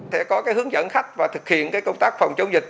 sẽ có hướng dẫn khách và thực hiện công tác phòng chống dịch